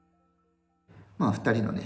まあ２人のね